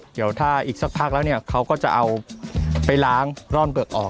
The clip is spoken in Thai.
เดี๋ยวถ้าอีกสักพักแล้วเนี่ยเขาก็จะเอาไปล้างร่อนเปลือกออก